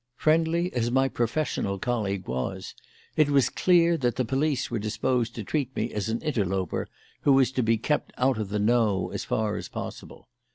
Friendly as my professional colleague was, it was clear that the police were disposed to treat me as an interloper who was to be kept out of the "know" as far as possible.